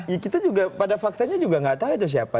ya kita juga pada faktanya juga nggak tahu siapa